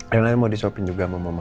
ayolah mau disuapin juga sama mama